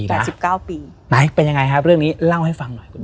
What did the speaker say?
มา๑๘ปีนะไหมเป็นยังไงครับเรื่องนี้เล่าให้ฟังหน่อยคุณพิว